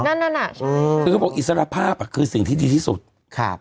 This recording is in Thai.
นั่นนั่นอ่ะเออคือเขาบอกอิสรภาพอ่ะคือสิ่งที่ดีที่สุดครับ